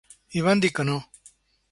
I van dir que no